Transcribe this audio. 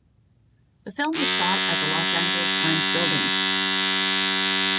The film was shot at the Los Angeles Times Building.